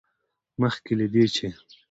مخکې له دې، چې